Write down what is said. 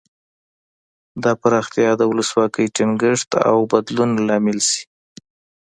دا پراختیا د ولسواکۍ ټینګښت او بدلون لامل شي.